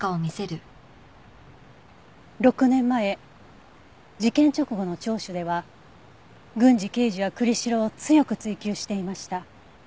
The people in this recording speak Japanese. ６年前事件直後の聴取では郡司刑事は栗城を強く追及していました。